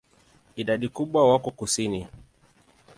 Idadi kubwa wako kusini.